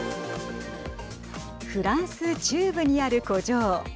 フランス中部にある古城。